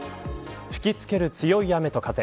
吹き付ける強い雨と風。